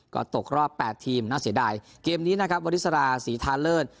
ก็ตกรอบ๘ทีมน่าเสียดายเกมนี้นะครับวฤษลาสีทาเลิศ